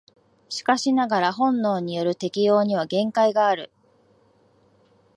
しかしながら本能による適応には限界がある。